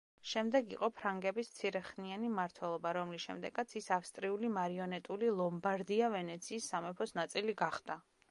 შემდეგ იყო ფრანგების მცირეხნიანი მმართველობა, რომლის შემდეგაც ის ავსტრიული მარიონეტული ლომბარდია-ვენეციის სამეფოს ნაწილი გახდა.